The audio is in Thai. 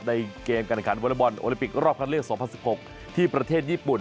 ในเกมอันการอันขันบนระบวนโอโลปิกรอบคาเรื่อง๒๐๑๖ที่ประเทศญี่ปุ่น